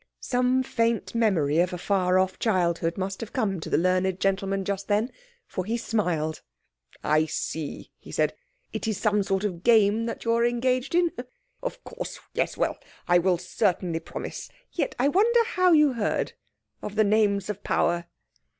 Some faint memory of a far off childhood must have come to the learned gentleman just then, for he smiled. "I see," he said. "It is some sort of game that you are engaged in? Of course! Yes! Well, I will certainly promise. Yet I wonder how you heard of the names of power?"